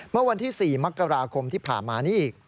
เมื่อวันที่๔มกราคมที่ผ่านมานี่อีก